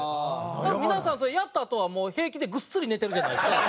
多分皆さんそれやったあとはもう平気でぐっすり寝てるじゃないですか。